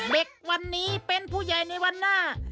เด็กวันนี้เป็นผู้ใหญ่ในวันหน้า